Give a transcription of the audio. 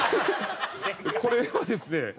これはですね